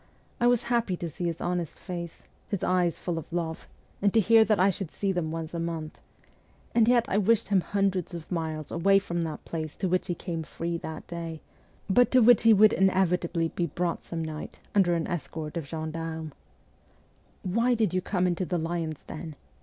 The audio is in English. I was happy to see his honest face, his eyes full of love, and to hear that I should see them once a month ; and yet I wished him hundreds of miles away from that place to which he came free that day, but to which he would inevitably be brought some night under an escort of gendarmes. ' Why did you come into the lion's den